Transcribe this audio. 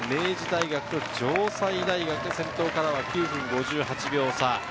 明治大学、城西大学、先頭からは９分５８秒差。